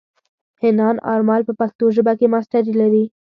حنان آرمل په پښتو ژبه کې ماسټري لري.